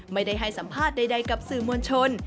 ไม่ได้ให้สัมภาษณ์ใดกับสื่อมวลชน